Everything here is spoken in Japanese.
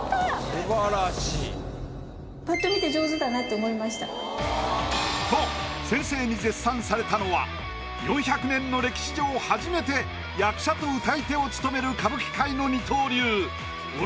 素晴らしい。と先生に絶賛されたのは４００年の歴史上初めて役者と唄い手を務める。